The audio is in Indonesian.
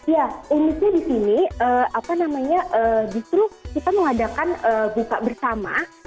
ya uniknya di sini apa namanya justru kita mengadakan buka bersama